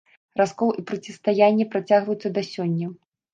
Раскол і процістаянне працягваюцца да сёння.